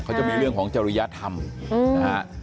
เขาจะมีเรื่องของจริยธรรมนะฮะ